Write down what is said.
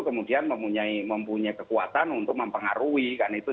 kemudian mempunyai kekuatan untuk mempengaruhi kan itu